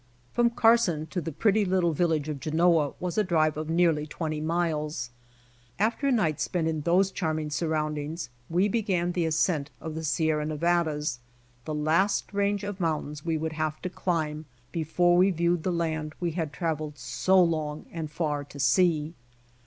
From Carson to the tpretty little village of Genoa was a drive of nearly twenty miles. After a night spent in those charming surroundings we began the ascent of the Sierra Ne vadas, the last range of mountains we would have to clinib before we viewed the land we had traveled so long and far to see.